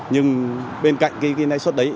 nhưng bên cạnh nãi xuất đấy